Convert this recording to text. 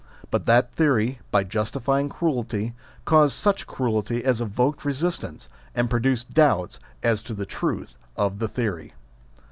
But that theory, by justifying cruelty, caused such cruelty as evoked resist ance, and produced doubts as to the truth of the theory.